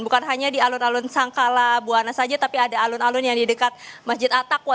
bukan hanya di alun alun sangkala buwana saja tapi ada alun alun yang di dekat masjid atakwa